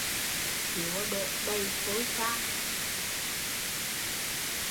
Lúa đổ đầy côi tra